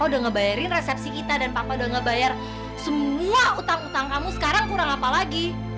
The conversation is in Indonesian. udah ngebayarin resepsi kita dan papa udah ngebayar semua utang utang kamu sekarang kurang apa lagi